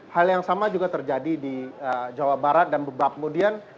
hal yang sama juga terjadi di jawa barat dan beberapa kemudian